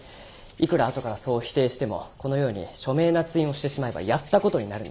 いくらあとからそう否定してもこのように署名捺印をしてしまえばやった事になるんです。